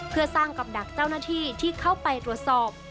เพื่อสร้างกับดักเจ้าหน้าที่ที่เข้าไปตรวจสอบ